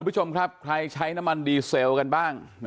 คุณผู้ชมครับใครใช้น้ำมันดีเซลกันบ้าง